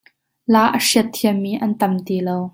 La a hriat thiammi an tam ti lo.